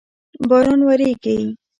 باران وریږی